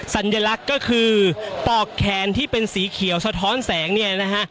สัญลักษณ์ก็คือปอกแขนที่เป็นสีเขียวสะท้อนแสงเนี่ยนะฮะ